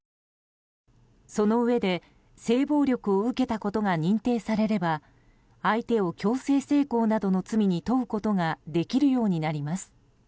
そのうえで性暴力を受けたことが認定されれば相手を強制性交などの罪に問うことができるようになります。